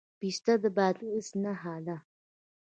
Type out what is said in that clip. پسته د بادغیس نښه ده.